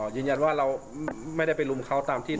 ยืนยันว่าเราไม่ได้ไปรุมเขาตามที่